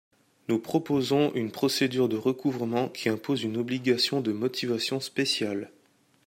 Nous proposons une procédure de recouvrement qui impose une obligation de motivation spéciale.